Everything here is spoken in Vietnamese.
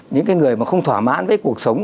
những người không thỏa mãn với cuộc sống